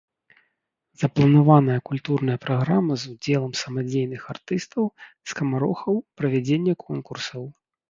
Запланаваная культурная праграма з удзелам самадзейных артыстаў, скамарохаў, правядзенне конкурсаў.